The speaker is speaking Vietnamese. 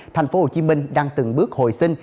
thành phố hồ chí minh đang từng bước hồi sinh